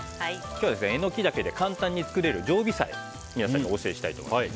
今日はエノキダケで簡単に作れる常備菜を皆さんにお教えしたいと思います。